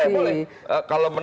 supaya kita dengar langsung